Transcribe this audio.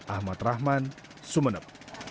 ahmad rahman sumeneb